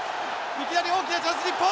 いきなり大きなチャンス日本！